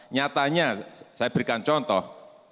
nyatanya saya berikan contoh